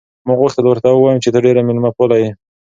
ما غوښتل ورته ووایم چې ته ډېره مېلمه پاله یې.